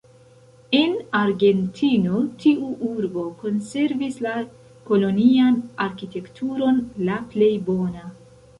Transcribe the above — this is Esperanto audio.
En Argentino tiu urbo konservis la kolonian arkitekturon la plej bona.